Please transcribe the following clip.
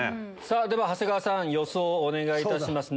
さぁ長谷川さん予想お願いいたします。